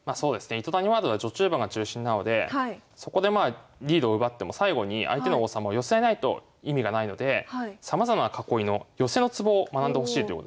糸谷ワールドは序中盤が中心なのでそこでまあリードを奪っても最後に相手の王様を寄せないと意味がないのでさまざまな囲いの寄せのツボを学んでほしいということですね。